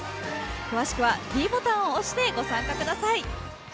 詳しくはｄボタンを押してご参加ください。